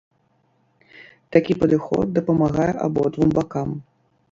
Такі падыход дапамагае абодвум бакам.